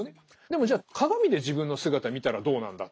でもじゃあ鏡で自分の姿見たらどうなんだ。